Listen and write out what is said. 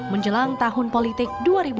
menjelang tahun politik dua ribu sembilan belas